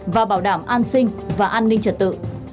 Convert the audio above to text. và bảo đảm an sinh và an ninh trật tự